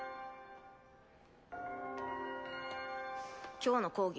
・今日の講義